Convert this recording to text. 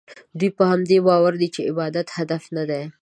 دوی په همدې باور دي چې عبادت هدف نه دی.